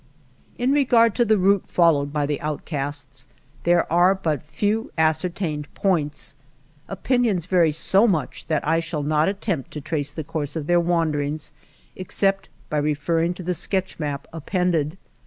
In regard to the route followed by the outcasts, there are but very few ascertained points. Opinions vary so much that I shall not attempt to trace the course of their wan derings except by referring to the sketch map appended.